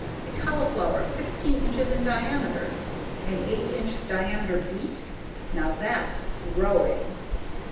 A cauliflower sixteen inches in diameter? An eight inch diameter beet? Now that's GROWing!